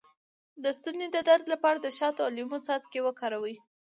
د ستوني د درد لپاره د شاتو او لیمو څاڅکي وکاروئ